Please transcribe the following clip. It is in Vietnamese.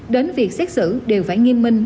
đến việc xét xử đều phải nghiêm minh